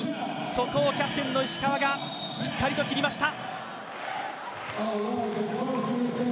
そこをキャプテンの石川がしっかりと切りました。